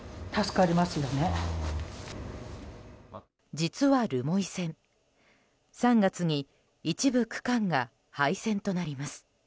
実は留萌線、３月に一部区間が廃線となります。